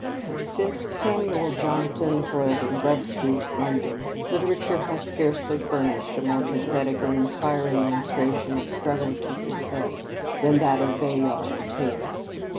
Since Samuel Johnson toiled in Grub Street, London, literature has scarcely furnished a more pathetic or inspiring illustration of struggle to success than that of Bayard Taylor.